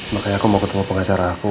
makanya aku mau ketemu pengacara aku